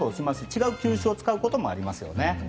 違う球種を使うこともありますよね。